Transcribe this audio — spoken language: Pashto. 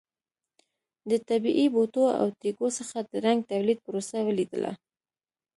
د طبیعي بوټو او تېږو څخه د رنګ تولید پروسه ولیدله.